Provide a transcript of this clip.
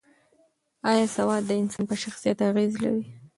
ایا سواد د انسان په شخصیت اغېز لري؟